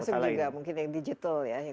termasuk juga mungkin yang digital ya